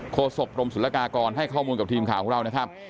โคสกกรมสุรกากรให้ข้อมูลกับทีมข่าวของเรา